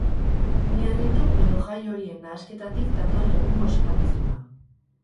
Bi erritu edo jai horien nahasketatik dator egungo ospakizuna.